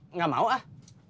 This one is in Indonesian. enggak mau ah